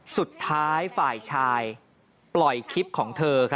สุดท้ายฝ่ายชายปล่อยคลิปของเธอ